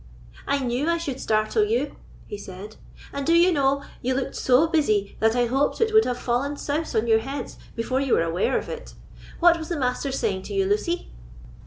"I knew I should startle you," he said; "and do you know, you looked so busy that I hoped it would have fallen souse on your heads before you were aware of it. What was the Master saying to you, Lucy?"